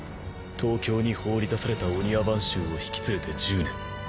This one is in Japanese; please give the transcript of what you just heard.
東京に放り出された御庭番衆を引き連れて１０年。